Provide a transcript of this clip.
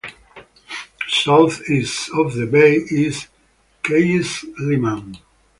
South-east of the bay is Yeysk Liman.